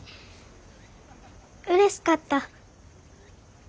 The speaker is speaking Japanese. うれしかった。